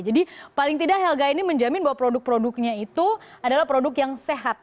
jadi paling tidak helga ini menjamin bahwa produk produknya itu adalah produk yang sehat